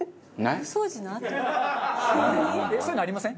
そういうのありません？